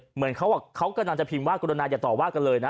เหมือนเขากำลังจะพิมพ์ว่ากรุณาอย่าต่อว่ากันเลยนะ